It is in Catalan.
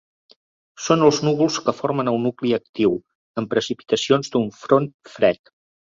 Són els núvols que formen el nucli actiu, amb precipitacions, d'un front fred.